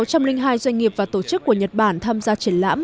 trong số sáu trăm linh hai doanh nghiệp và tổ chức của nhật bản tham gia triển lãm